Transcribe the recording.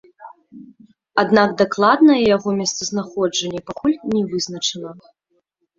Аднак дакладнае яго месцазнаходжанне пакуль не вызначана.